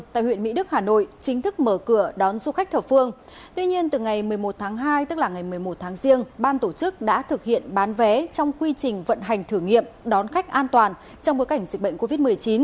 tại huyện mỹ đức hà nội chính thức mở cửa đón du khách thập phương tuy nhiên từ ngày một mươi một tháng hai tức là ngày một mươi một tháng riêng ban tổ chức đã thực hiện bán vé trong quy trình vận hành thử nghiệm đón khách an toàn trong bối cảnh dịch bệnh covid một mươi chín